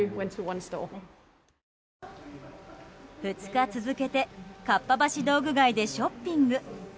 ２日続けてかっぱ橋道具街でショッピング。